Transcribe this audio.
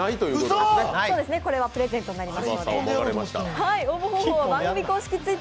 そうですね、これはプレゼントになりますので。